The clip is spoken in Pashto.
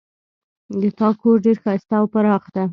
د تا کور ډېر ښایسته او پراخ ده